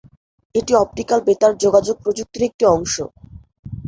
এটি অপটিক্যাল বেতার যোগাযোগ প্রযুক্তির একটি অংশ।